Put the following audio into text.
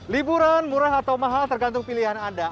liburan murah atau mahal tergantung pilihan anda